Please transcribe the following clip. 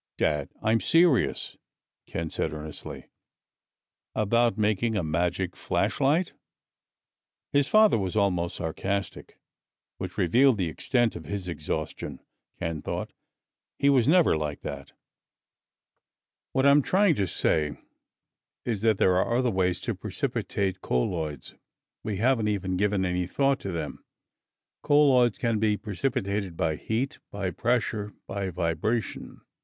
"Dad, I'm serious!" Ken said earnestly. "About making a magic flashlight?" His father was almost sarcastic, which revealed the extent of his exhaustion, Ken thought. He was never like that. "What I'm trying to say is that there are other ways to precipitate colloids. We haven't even given any thought to them. Colloids can be precipitated by heat, by pressure, by vibration.